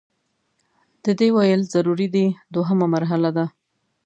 د دې ویل ضروري دي دوهمه مرحله ده.